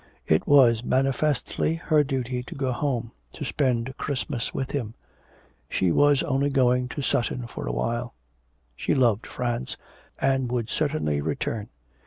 It was manifestly her duty to go home, to spend Christmas with him. She was only going to Sutton for a while. She loved France, and would certainly return.